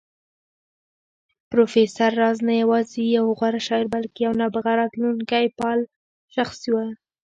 پروفېسر راز نه يوازې يو غوره شاعر بلکې يو نابغه راتلونکی پال شخصيت و